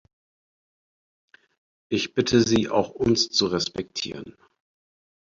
Ich bitte Sie, auch uns zu respektieren.